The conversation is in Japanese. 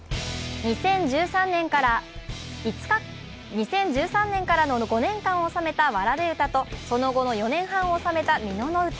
２０１３年からの５年間を収めた「童詩」とその後の４年半を収めた「蓑唄」。